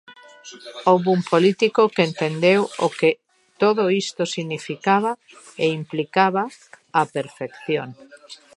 Houbo un político que entendeu o que todo isto significaba e implicaba á perfección.